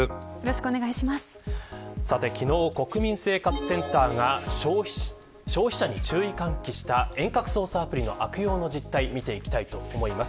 昨日、国民生活センターが消費者に注意喚起した遠隔操作アプリの悪用の実態見ていきたいと思います。